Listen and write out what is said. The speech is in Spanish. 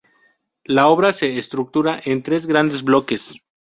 La obra se estructura en tres grandes bloques.